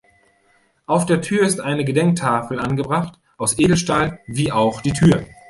Auf der Tür ist eine Gedenktafel angebracht, aus Edelstahl wie auch die Tür.